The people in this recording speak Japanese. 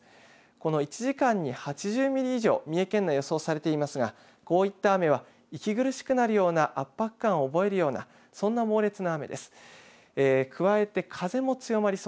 この１時間に８０ミリ以上、三重県内、予想されていますがこういった雨は息苦しくなるような圧迫感を覚えるようなそんな猛烈な雨です。